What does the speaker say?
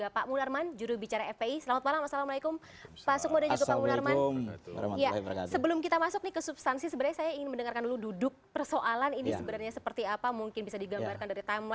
prabowo islamnya lebih bagus daripada yusril